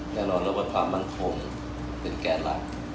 แน่นอนแล้วก็ความมั่นคงเป็นแกนหลัก